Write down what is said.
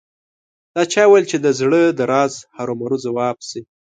دا چا ویل چې د زړه د راز هرو مرو ځواب شي